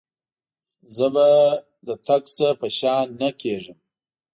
زه به له تګ نه په شا نه کېږم.